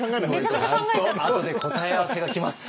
ちゃんとあとで答え合わせが来ます。